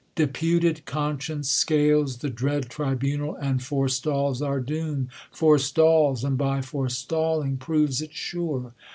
Deputed conscience scales The dread tribunal, and forestals our doom : Forestals ; and, by forestalling, proves it sure.